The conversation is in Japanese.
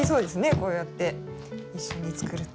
こうやって一緒に作ると。